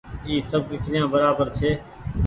اي سب ڪيکريآن برابر ڇي۔